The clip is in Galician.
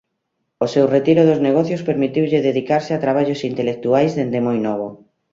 O seu retiro dos negocios permitiulle dedicarse a traballos intelectuais dende moi novo.